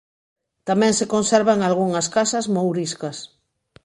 Tamén se conservan algunhas casas mouriscas.